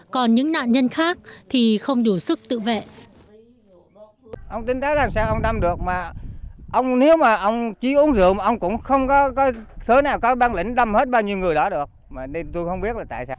còn những nạn nhân khác thì không đủ sức tự vệ